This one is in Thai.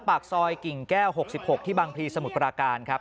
ปากซอยกิ่งแก้ว๖๖ที่บางพลีสมุทรปราการครับ